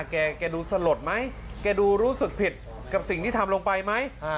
แกดูสลดไหมแกดูรู้สึกผิดกับสิ่งที่ทำลงไปไหม